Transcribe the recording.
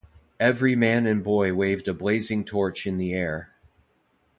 Every man and boy waved a blazing torch in the air.